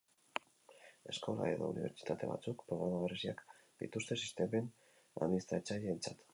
Eskola edo unibertsitate batzuk programa bereziak dituzte sistemen administratzaileentzat.